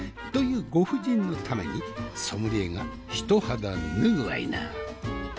というご婦人のためにソムリエが一肌脱ぐわいな。